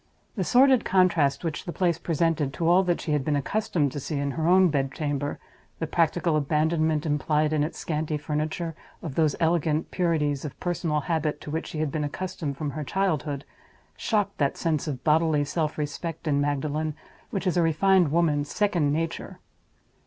The sordid contrast which the place presented to all that she had been accustomed to see in her own bed chamber—the practical abandonment, implied in its scanty furniture, of those elegant purities of personal habit to which she had been accustomed from her childhood—shocked that sense of bodily self respect in Magdalen which is a refined woman's second nature.